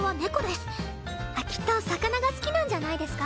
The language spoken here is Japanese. きっと魚が好きなんじゃないですか？